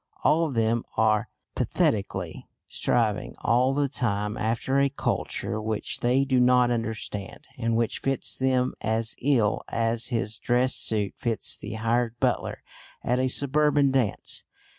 All of them are pathetically striving all the time after a culture which they do not understand, and which fits them as ill as his dress suit fits the hired butler at a suburban dance.